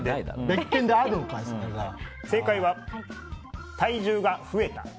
正解は、体重が増えた。